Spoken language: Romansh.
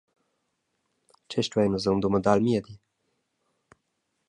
Tgei stuein nus aunc dumandar il miedi?